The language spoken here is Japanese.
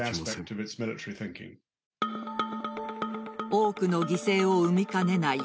多くの犠牲を生みかねない